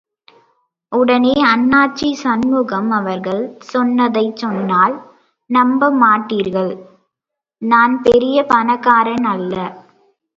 உடனே அண்ணாச்சி சண்முகம் அவர்கள் சொன்னதைச் சொன்னால் நம்ப மாட்டீர்கள், நான் பெரிய பணக்காரன் அல்ல.